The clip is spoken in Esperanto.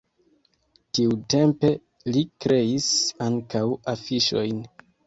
Tiutempe li kreis ankaŭ afiŝojn.